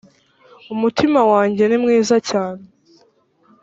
umutima wanjye nimwiza cyane